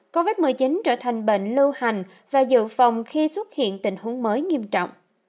covid một mươi chín trở thành bệnh lưu hành và dự phòng khi xuất hiện tình huống mới nghiêm trọng